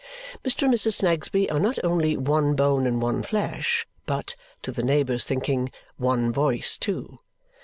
Mr. and Mrs. Snagsby are not only one bone and one flesh, but, to the neighbours' thinking, one voice too.